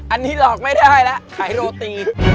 อันนี้ลอกไม่ได้ละไขโรติ